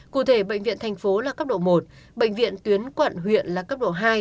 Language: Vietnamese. cụ thể bệnh viện thành phố là cấp độ một bệnh viện tuyến quận huyện là cấp độ hai